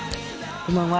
こんばんは。